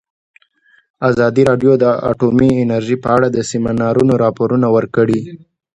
ازادي راډیو د اټومي انرژي په اړه د سیمینارونو راپورونه ورکړي.